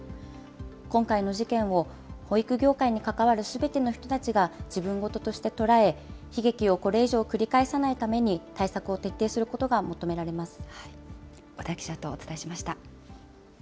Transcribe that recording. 今回の事件を、保育業界に関わる全ての人たちが自分事として捉え、悲劇をこれ以上繰り返さないために、対策を徹底することが求められます。